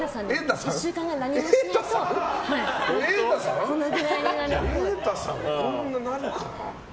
瑛太さん、こんななるかな？